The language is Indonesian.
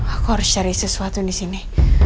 aku harus cari sesuatu di sini